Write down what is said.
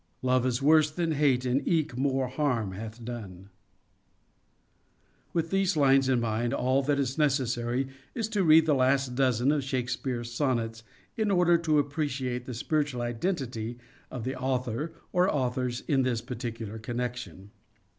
"Love is worse than hate and eke more harm hath done." 150 " SHAKESPEARE " IDENTIFIED With these lines in mind all that is necessary is to read the last dozen of Shakespeare's sonnets, in order to appreciate the spiritual identity of the author or authors in this particular connection.